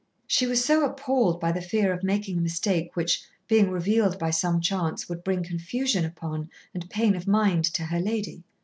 She was so appalled by the fear of making a mistake which, being revealed by some chance, would bring confusion upon and pain of mind to her lady.